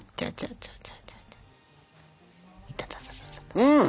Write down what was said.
うん！